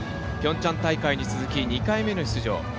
ピョンチャン大会に続き２回目の出場。